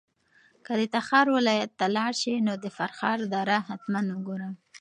که د تخار ولایت ته لاړ شې نو د فرخار دره حتماً وګوره.